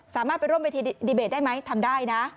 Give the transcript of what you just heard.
สามารถไปร่วมเวทีดีเบตได้ไหมทำได้นะ